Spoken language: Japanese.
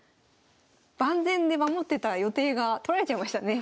万全で守ってた予定が取られちゃいましたね。